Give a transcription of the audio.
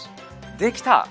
できた！